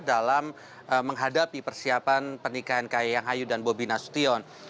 dalam menghadapi persiapan pernikahan kahiyang ayu dan bobi nasution